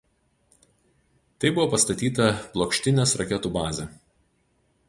Taip buvo pastatyta Plokštinės raketų bazė.